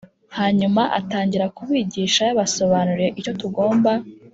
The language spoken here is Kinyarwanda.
hanyuma atangira kubigisha Yabasobanuriye icyo tugomba